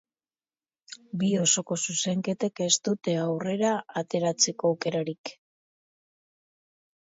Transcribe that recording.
Bi osoko zuzenketek ez dute aurrera ateratzeko aukerarik.